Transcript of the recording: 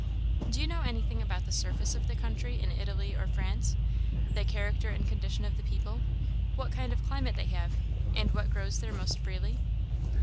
"Do you know anything about the surface of the country in Italy or France the character and condition of the people what kind of climate they have, and what grows there most freely?"